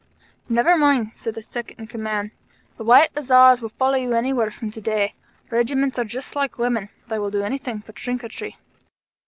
"Never mind," said the Second in Command. "The White Hussars will follow you anywhere from to day. Regiment's are just like women. They will do anything for trinketry."